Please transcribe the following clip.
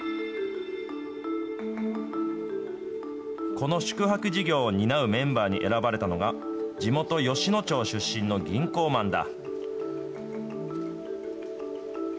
この宿泊事業を担うメンバーに選ばれたのが、地元、吉野町出身の銀行マンだ。